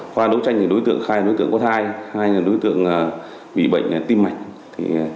qua đấu tranh đối tượng khai là đối tượng có thai thai là đối tượng bị bệnh tim mạnh